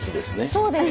そうです。